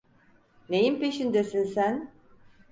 Neyin peşindesin sen?